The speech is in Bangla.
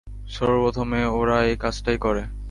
সর্বপ্রথমে ওরা এই কাজটাই করে।